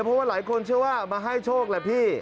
เพราะว่าหลายคนเชื่อว่ามาให้โชคแหละพี่